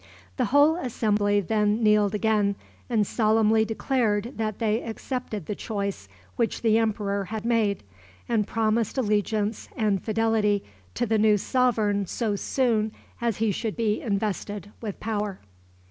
The whole assembly then kneeled again, and solemnly declared that they accepted the choice which the emperor had made, and promised allegiance and fidelity to the new sovereign so soon as he should be invested with power.